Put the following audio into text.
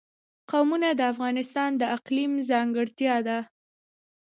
قومونه د افغانستان د اقلیم ځانګړتیا ده.